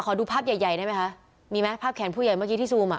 ดูภาพใหญ่ใหญ่ได้ไหมคะมีไหมภาพแขนผู้ใหญ่เมื่อกี้ที่ซูมอ่ะ